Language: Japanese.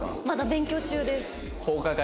まだ勉強中です。